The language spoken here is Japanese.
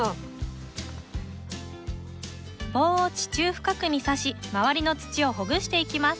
棒を地中深くにさし周りの土をほぐしていきます。